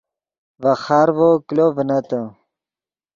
ڤے خارڤو کلو ڤنتے